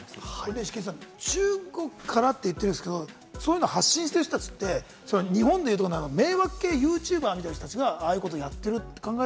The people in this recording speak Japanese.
イシケンさん、中国からと言ってるんですけれども、そういうのを発信している人たちって、日本で言うところの迷惑系ＹｏｕＴｕｂｅｒみたいな人たちが、ああいうことやってるんですか？